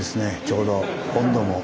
ちょうど温度も。